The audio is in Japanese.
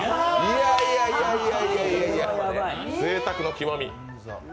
いやいやいやぜいたくの極み。